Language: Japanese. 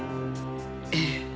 ええ。